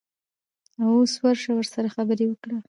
اوس ورشه ورسره خبرې وکړه.